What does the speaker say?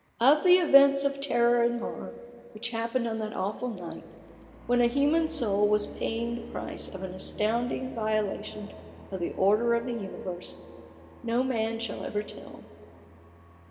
Of the events of terror and horror which happened on that aweful night, when a human soul was paying the price of an astounding viola tion of the order of the universe, no man shall ever tell.